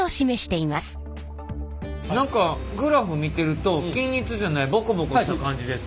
何かグラフ見てると均一じゃないボコボコした感じですけど。